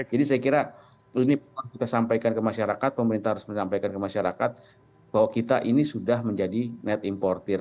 jadi saya kira ini perlu kita sampaikan ke masyarakat pemerintah harus menyampaikan ke masyarakat bahwa kita ini sudah menjadi net importer